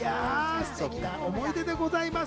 ステキな思い出でございます